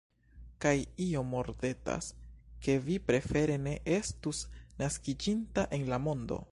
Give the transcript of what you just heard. Kaj io mordetas, ke vi prefere ne estus naskiĝinta en la mondon?